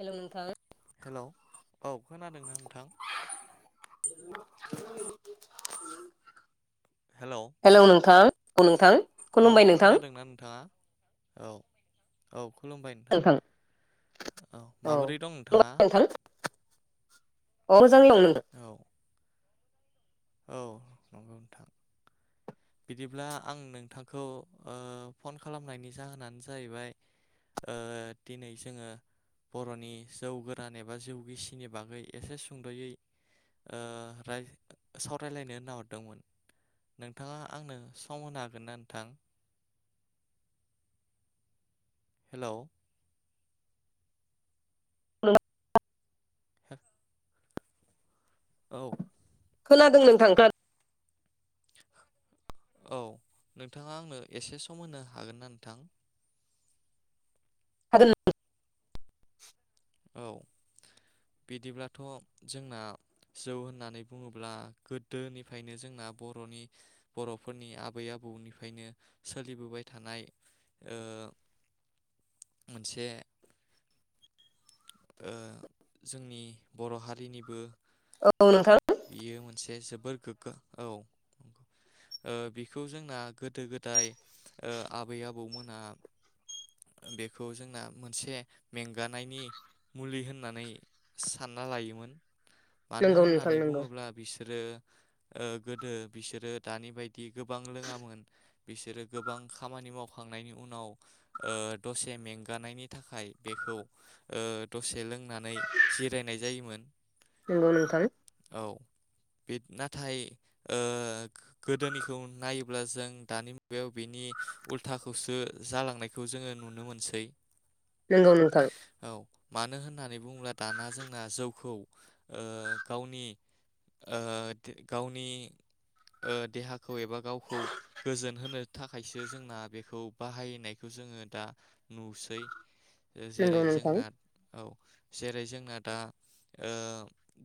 Hello नोंथां hello औ खोनादोंना नोंथां? हेलौ नोंथां उम। औ खोनादोंना नोंथाङा? औ औ। खुलुमबाय नोंथां औ माबोरै दं नोंथाङा? खुलुमबाय नोंथां [unintelligible] औ [unintelligible] औ नंगौ नोंथां बिदिब्ला आं नोंथांखौ फन खालामनायनि जाहोनानो जाहैबाय दिनै जोङो बरनि जौ गोरान एबा जौ गिसिनि बागै एसे सुंदयै राय- सावरायलायनो होन्नाहरदोंमोन नोंथाङा आंनो सम होनो हागोन ना नोंथां? हेलौ उ [unintelligible] [unintelligible] औ खोनादों नोंथां गा औ नोंथाङा आंनो एसे सम होनो हागोन ना नोंथां? हागोन औ बिदिब्लाथ जोंना जौ होननानै बुङोब्ला गोदोनिफ्रायनो जोंना बरनि बरफोरनि आबै आबौनिफ्रायनो सोलिबोबाय थानाय मोनसे जोंनि बर हारिनिबो औ नोंथां बियो मोनसे जोबोर गोग्गो औ बिखौ जोंना गोदो गोदाय आबै आबौमोना बेखौ जोंना मोनसे मेंगानायनि मुलि होननानै सानना लायोमोन। मानो नंगौ नोंथां होननानै नंगौ बुङोब्ला बिसोरो ओ गोदो बिसोरो दानि बायदि गोबां लोङामोन बिसोरो गोबां खामानि मावखांनायनि उनाव ओ दसे मेंगानायनि थाखाय बेखौ ओ दसे लोंनानै जिरायनाय जायोमोन नंगौ नोंथां औ बे नाथाय गोदोनिखौ नायोब्ला जों दानि मुगायाव बिनि उल्थाखौसो जालांनाय खौ जोङो नुनो मोनसै नंगौ नोंथां औ मानो होननानै बुङोब्ला दाना जोंना जौखौ गावनि गावनि देहाखौ एबा गावखौ गोजोन होनो थाखायसो जोंना बेखौ बाहायनाय खौ जोङो दा नुसै। नंगौ जेरै नोंथां जोंना औ जेरै जोंना दा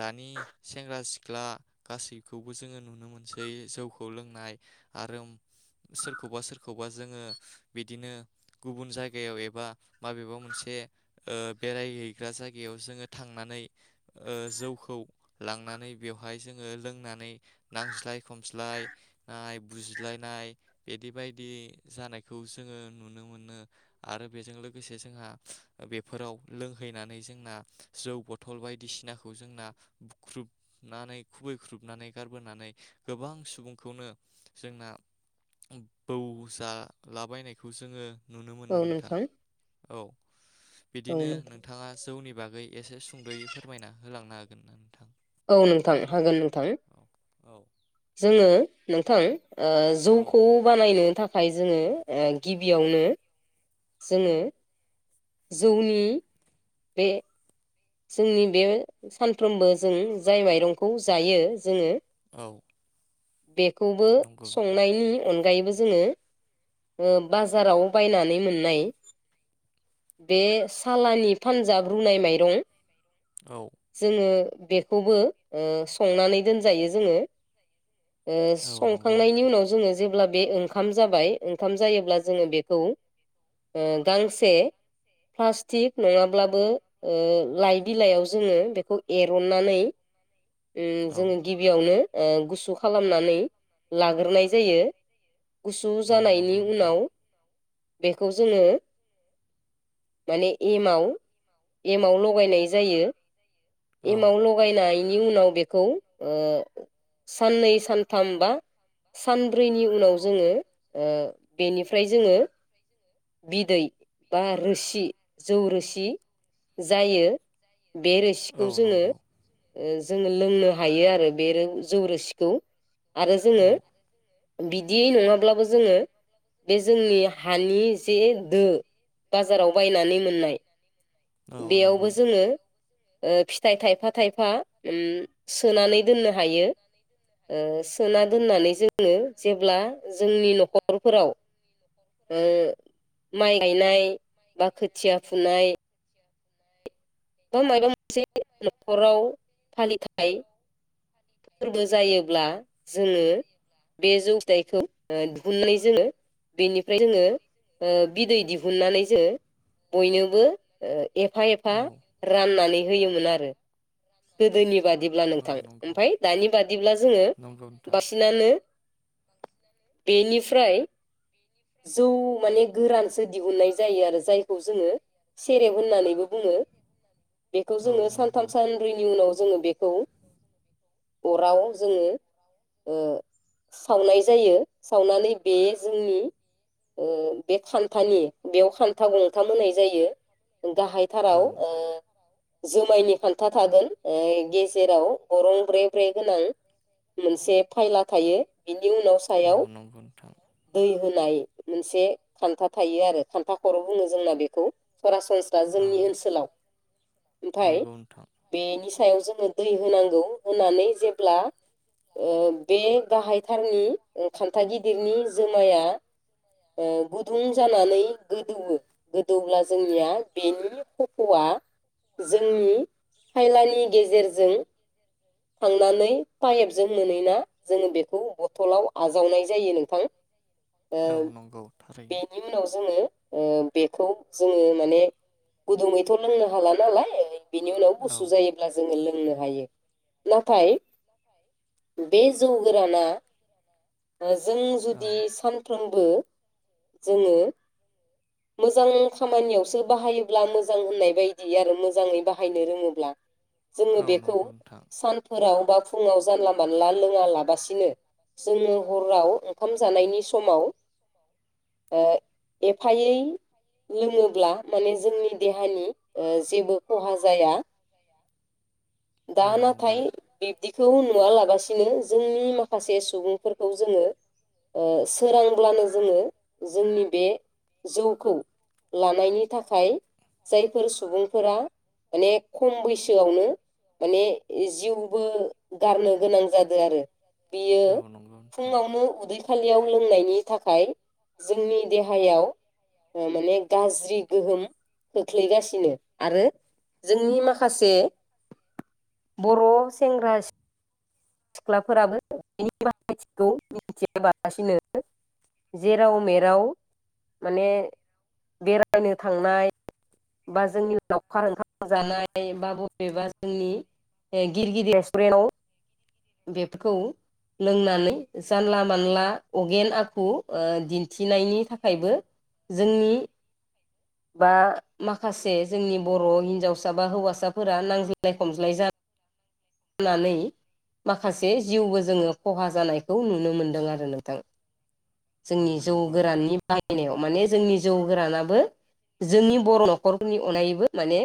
दानि सेंग्रा सिख्ला गासैखौबो जोङो नुनो मोनसै जौखौ लोंनाय आरो सोरखौबा सोरखौबा जोङो बिदिनो गुबुन जायगायाव एबा माबेबा मोनसे ओ बेरायहैग्रा जायगायाव जोङो थांनानै ओ जौखौ लांनानै बेवहाय जोङो लोंनानै नांज्लाय खमज्लायनाय ओ बुज्लायनाय बिदि बायदि जानायखौ जोङो नुनो मोनो आरो बेजों लोगोसे जोंहा बेफोराव लोंहैनानै जोंना जौ ब टल बायदिसिनाखौ जोंना बुख्रुब- नानै खुबैख्रुबनानै गारबोनानै गोबां सुबुंखौनो जोंना बौजालाबायनाय बेखौ जोङो नुनो मोनो नोंथां औ औ बिदिनो नोंथां नोंथाङा जौनि- बागै एसे सुंदयै फोरमायना होलांनो हागोन नोंथां औ नोंथां हागोन नोंथां औ औ जोङो नोंथां ओ औ जौखौ बानायनो थाखाय नाथाय जोङो ओ गिबियावनो जोङो जौनि बे जोंनि बे सानफ्रोमबो जों जाय माइरंखौ जायो जोङो औ। बेखौबो नंगौ नोंथां संनायनि अनगायैबो जोङो ओ बाजाराव बायनानै मोननाय बे सालानि फानजाब रुनाय माइरं औ जोङो। बेखौबो ओ संनानै दोनजायो जोङो ओ औ नंगौ संखांनायनि नोंथां उनाव जोङो जेब्ला बे ओंखाम जाबाय। ओंखाम जायोब्ला जोङो बेखौ ओ गांसे प्लास्टिक नङाब्लाबो ओ लाइ बिलाइयाव जोङो बेखौ एरननानै उम औ जोङो गिबियावनो ओ गुसु खालामनानै लाग्रोनाय जायो गुसु औ जानायनि नंगौ नोंथां उनाव बेखौ जोङो माने एमाव एमाव लगायनाय जायो। औ एमाव लगायनाय बेनि उनाव बेखौ ओ साननै सानथाम बा सानब्रैनि उनाव जोङो ओ बेनिफ्राय जोङो बिदै बा रोसि जौ रोसि जायो। बे औ रोसिखौ जोङो नंगौ ओ जोङो लोंनो हायो आरो बे रौव जौरोसिखौ आरो औ जोङो बिदियै नङाब्लाबो जोङो बे जोंनि हानि एसे दो बाजाराव बायनानै मोननाय। औ बेयावबो नंगौ जोङो ओ फिथाइ थायफा थायफा ओम सोनानै दोननो हायो ओ सोना दोननानै जोङो जेब्ला जोंनि न'खरफोराव ओ माइ गायनाय बा खोथिया फुनाय बा माबा मोनसे नखराव फालिथाय फोरबो जायोब्ला जोङो बे जौथाइखौ दिहुननानै जोङो बेनिफ्राय जोङो ओ बिदै दिहुननानै जोङो बयनोबो ओ एफा एफा औ राननानै होयोमोन आरो गोदोनि बादिब्ला औ नोंथां नंगौ ओमफाय दानि बादिब्ला जोङो नंगौ नोंथां बासिनानो बेनिफ्राय जौ माने गोरानसो दिहुननाय जायो आरो जायखौ जोङो सेरेब होननानैबो बुङो। बेखौ औ जोङो सानथाम नंगौ सानब्रैनि उनाव जोङो बेखौ अराव जोङो ओ सावनाय जायो सावनानै बे जोंनि बे ओ खान्थानि बेव खान्था गंथाम होनाय जायो। औ गाहायथाराव ओ जुमायनि खान्था थागोन ओ गेजेराव गरं ब्रे ब्रे गोनां मोनसे फायला थायो बिनि उनाव औ सायाव नंगौ नोंथां दै होन नाय मोनसे खान्था थायो आरो खान्था खर बुङो जोंना बेखौ सरासनस्रा औ जोंनि ओनसोलाव ओमफ्राय नंगौ नोंथां बेनि सायाव जों दै होनांगौ होनानै जेब्ला ओ बे गाहायथारनि खान्था गिदिरनि जोमाया ओ गुदुं जानानै गोदौवो गोदौब्ला जोंनिया बेनि खफआ जोंनि फायलानि गेजेरजों थांनानै पाइपजों मोनै ना जोङो बेखौ बथलाव आजावनाय जायो नोंथां ओ औ नंगौ थारैनो बेनि उनाव जोङो ओ बेखौ जोङो माने गुदुङैथ लोंनो हाला नालाय बिनि उनाव औ गुसु जायोब्ला जोङो बुंनो हायो नाथाय बे जौ गोराना जों औ जुदि सानफ्रोम बो जोङो मोजां खामानियावसो बाहायोब्ला मोजां होननाय बायदि आरो मोजाङै बाहायनो रोङोब्ला औ नंगौ नोंथां फोराव बा फुङाव जानला मानला लोङालाबसिनो जोङो हराव ओंखाम जानायनि समाव ओ एफायै लोङोब्ला माने जोंनि देहानि ओ जेबो खहा जाया। दा औ नाथ नंगौ थाय बिब्दिखौ नु नुवा लागासिनो जोंनि माखासे सुबुंफोरखौ जोङो ओ सोरांब्लानो जोङो जोंनि बे जौखौ लानायनि थाखाय जायफोर सुबुंफोरा माने खम बैसोआवनो माने जिउबो गारनो गोनां जाद आरो बियो औ नंगौ नोंथां फुङावनो उदै खालियाव लोंनायनि थाखाय जोंनि देहायाव माने गाज्रि गोहोम खोख्लैगासिनो आरो जोंनि माखासे बर सेंंग्रा-सिख्ला सिख्लाफोराबो [unintelligible] जेराव मेराव माने बेरायनो थांनाय बा जोंनि लावखार ओंखामजानाय बा बबेबा जोंनि गिर गिदिर रेस्टुरेन्टआव बेफोरखौ लोंनानै जानला मानला अगेन आखु ओ दिन्थिनायनि थाखायबो जोंनि बा माखासे जोंनि बर हिनजावसा बा हौवासाफोरा नांज्लाय खमज्लाय जानानै माखासे जिउबो जोङो खहा जानायखौ नुनो मोनदों आरो नोंथां। औ जोंनि जौ नंगौ नोंथां गोराननि बाहायनायाव माने जोंनि जौ गोरानाबो जोंनि बर ननखरनि अनगायैबो माने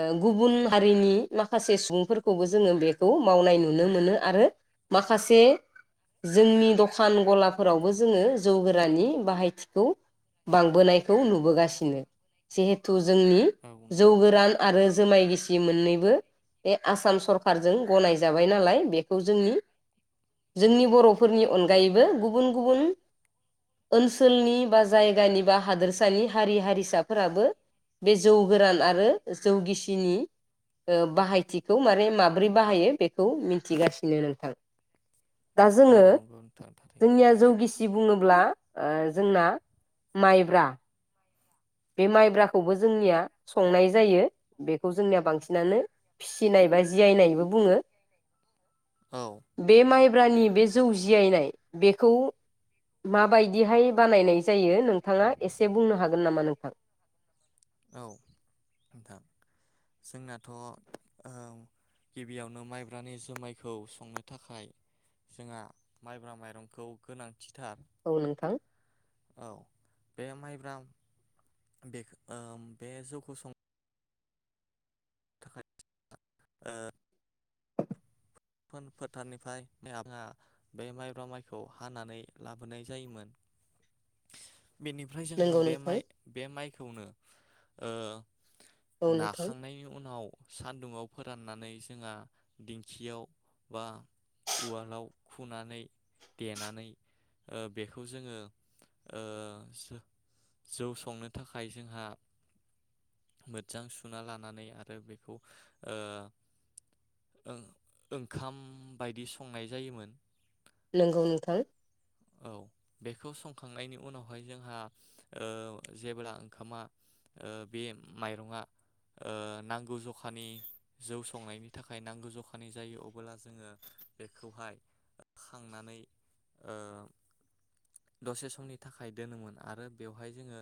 ओ गुबुन हारिनि माखासे सुबुंफोरखौबो जोङो बेखौ मावनाय नु नुनो मोनो आरो माखासे जोंनि दखान गलाफोरावबो जोङो जौ गोरानि बाहायथिखौ बांबोनायखौ नुबोगासिनो जिहेथु जोंनि औ जौ नंगौ गोरान आरो जुमाय गिसि दि मोननैबो बे आसाम सरखारजों गनाय जाबाय बुबाय नालाय बेखौ जोंनि जोंनि बर'फोरनि अनगायैबो गुबुन गुबुन ओनसोलनि बा जायगानि बा हादोरसानि हारि हारिसाफोराबो बे जौ गोरान आरो जौगिसिनि ओ बाहायथिखौ मारै माब्रै बाहायो बे खौ मिथिगासिनो नोंथां दा औ जोङो नंगौ नोंथां थारैनो जोंनिया जौ गिस दि बुङोब्ला जोंना माइब्रा बे माइब्राखौबो जोंनिया संनाय जायो बेखौ जोंनिया बांसिनानो फिसिनाय बा जियायनायबो बुङो। औ बे नंगौ नोंथां माइब्रानि बे जौ जि दियायनाय बेखौ माबायदिहाय बानायनाय जायो नोंथाङा एसे बुंनो हागोन नामा नों था औ नोंथां जोंनाथ गिबियावनो माइब्रानि जुमायखौ संनो थाखाय जोंहा माइब्रा माइरंखौ गोनां खिथाब औ नोंथां औ बे माइ ग्राम। [unintelligible] बे जौखौ सं [unintelligible] ओ फोन फोथारनिफ्राया बे माइब्रा माइखौ हानानै लाबोनाय जायोमोन। बेनिफ्राय जोंहा नंगौ बे नोंथां माइ बे माइ खेवनो ओ औ नोंथां नाखांनायनि उनाव सान्दुङाव फोराननानै जोंहा दिंखियाव बा उवालाव खुनानै देनानै ओ बेखौ जोङो ओ जौ संनो थाखाय जोंहा मोजां सुना लानानै आरो बेखौ ओ ओंखाम बायदि संनाय जायोमोन नंगौ नोंथां। औ बेखौ संखांनायनि उनावहाय जोंहा ओ जेब्ला ओंखामा ओ बे माइरङा ओ नांगौ जखानि जौ संनायनि थाखाय नांगौ जखानि जायो अबोला जोङो बेखौहाय खांनानै ओ दसे समनि थाखाय दोनोमोन आरो बेवहाय जोङो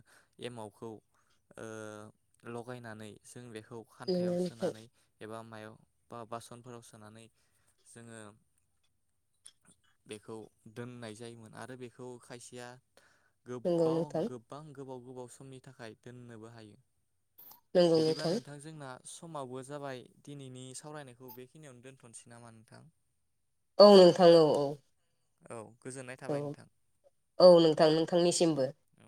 एमावखौ ओ लगायनानै जों बेखौ खौ खान्थायाव नंगौ नोंथां सोनानै एबा मायाव बा बासनफोराव सोनानै जोङो बेखौ दोननाय जाय आरो बेखौ खायसेया नंगौ गोबाव नोंथां गोबां गोबाव गोबाव समनि थाखाय दोननोबो हायो। बिदिबा नोंथां जोंना समाबो जाबाय दिनैनि सावरायनायखौ बे खिनियावनो दोनथनोसै नामा नोंथां? औ नोंथां औ औ औ गोजोननाय औ थाबाय नोंथां औ नोंथां नोंथांनिसिमबो। औ